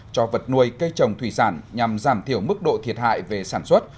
cho vật nuôi cây trồng thủy sản nhằm giảm thiểu mức độ thiệt hại về sản xuất